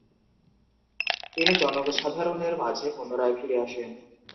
তিনি জনসাধারণের মাঝে পুনরায় ফিরে আসেন।